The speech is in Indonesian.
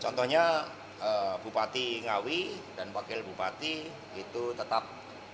contohnya bupati ngawi dan wakil bupati itu tetap